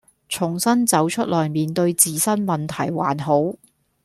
重新走出來面對自身問題還好